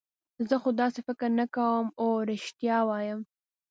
زه خو داسې فکر نه کوم، اوه رښتیا وایم.